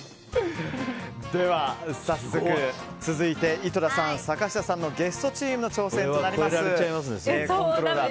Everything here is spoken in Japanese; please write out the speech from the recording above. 続いては井戸田さん、坂下さんのゲストチームの挑戦となります。